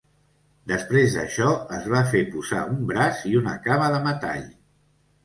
Després d'això, es va fer posar un braç i una cama de metall.